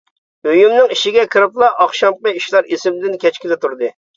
ئۆيۈمنىڭ ئىچىگە كىرىپلا ئاخشامقى ئىشلار ئېسىمدىن كەچكىلى تۇردى.